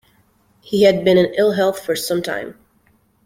He had been in ill health for some time.